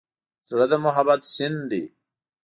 زړه د محبت سیند دی.